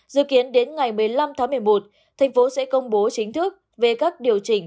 dự kiến đến ngày một mươi năm tháng một mươi một thành phố sẽ công bố chính thức về các điều chỉnh